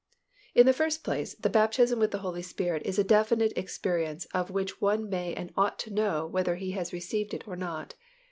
_ In the first place _the baptism with the Holy Spirit is a definite experience of which one may and ought to know __ whether he has received it or not_.